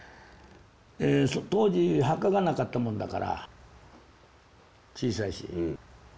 当時墓がなかったもんだから小さいし。